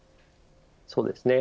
そうですね。